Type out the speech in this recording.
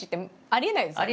ありえないです。